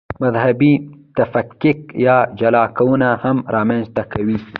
مذهبي تفکیک یا جلاکونه هم رامنځته کوي.